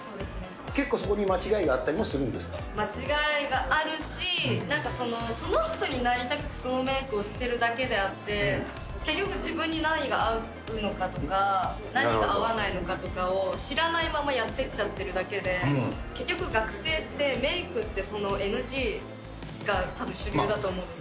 結構そこに間違いがあったりもするんで間違いがあるし、なんかその人になりたくてそのメイクをしてるだけであって、結局、自分に何が合うのかとか、何が合わないとかを、知らないままやってっちゃってるだけで、結局、学生って、メイクってＮＧがたぶん主流だと思うんですよ。